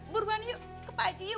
buruan yuk ke pak haji yuk